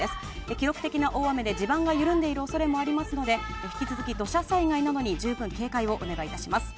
記録的な大雨で地盤が緩んでいる恐れがありますので引き続き土砂災害などに警戒をお願いします。